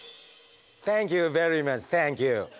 サンキューベリーマッチサンキュー。